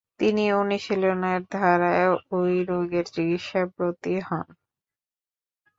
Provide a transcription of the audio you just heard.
তিনি অনুশীলনের দ্বারা ওই রোগের চিকিৎসায় ব্রতী হন।